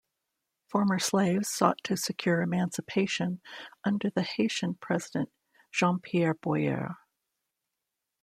Former slaves sought to secure emancipation under the Haitian President Jean-Pierre Boyer.